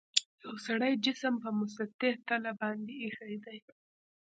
یو سړي جسم په مسطح تله باندې ایښي دي.